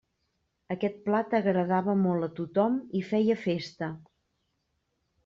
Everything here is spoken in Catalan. Aquest plat agradava molt a tothom i feia festa.